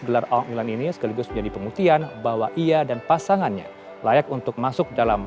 gelar all elan ini sekaligus menjadi penguktian bahwa ia dan pasangannya layak untuk masuk dalam